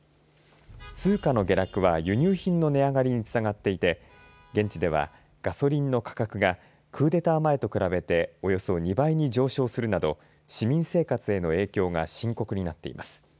通貨の下落は輸入品の値上がりに繋がっていて現地ではガソリンの価格がクーデター前と比べておよそ２倍に上昇するなど市民生活への影響が深刻になっています。